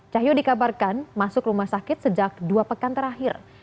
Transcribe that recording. cahyo dikabarkan masuk rumah sakit sejak dua pekan terakhir